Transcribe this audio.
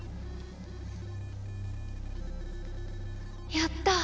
やった！